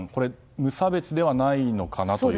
無差別ではないのかなという。